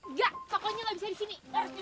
nggak pokoknya gak bisa disini